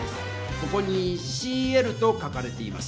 ここに「ｃＬ」と書かれています。